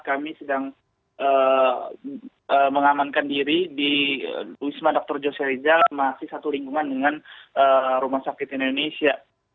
kami sedang mengamankan diri di wisma dr joserizal masih satu lingkungan dengan rumah sakit indonesia